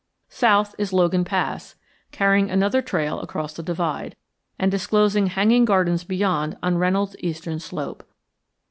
South is Logan Pass, carrying another trail across the divide, and disclosing hanging gardens beyond on Reynolds' eastern slope.